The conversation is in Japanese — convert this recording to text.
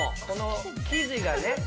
この生地がね。